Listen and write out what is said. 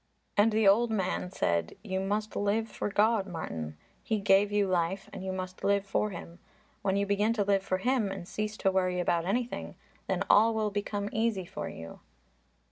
And the old man said, "You must live for God, Martin. He gave you life and you must live for Him. When you begin to live for Him and cease to worry about anything, then all will become easy for you."